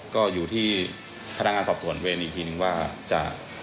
ก็อยู่ที่พนักงานสอบสวนเวรอีกทีนึงว่าจะ